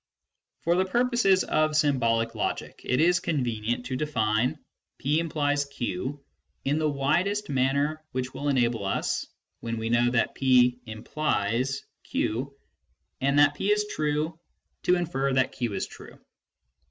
For the purposes of symbolic logic, it is convenient to define "p implies q" in the widest manner which will enable us, when we know that p " implies " q, and that p is true, to infer that q is true.